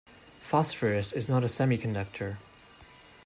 Phosphorus is not a semiconductor.